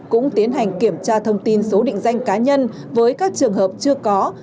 cũng tiến hành kiểm tra thông tin số định danh cá nhân với các trường hợp chưa có